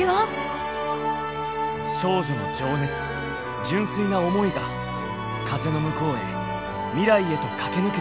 少女の情熱純粋な思いが風の向こうへ未来へと駆け抜けていく。